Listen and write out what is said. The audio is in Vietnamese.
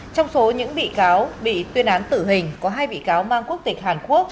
trong số những bị cáo bị tuyên án tử hình có hai bị cáo mang quốc tịch hàn quốc